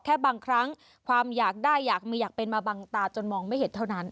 แค่บางครั้งความอยากได้อยากมีอยากเป็นมาบังตาจนมองไม่เห็นเท่านั้น